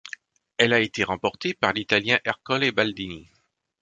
Elle a été remportée par l'Italien Ercole Baldini.